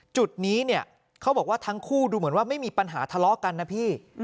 จุดนี้เนี่ยเขาบอกว่าทั้งคู่ดูเหมือนว่าไม่มีปัญหาทะเลาะกันนะพี่